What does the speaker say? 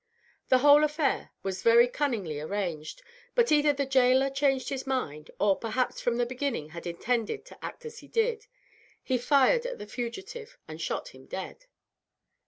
The whole affair was very cunningly arranged, but either the gaoler changed his mind, or, perhaps, from the beginning had intended to act as he did he fired at the fugitive, and shot him dead.